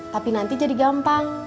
tapi nanti jadi gampang